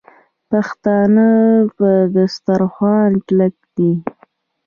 پښتانه پر دسترخوان کلک دي.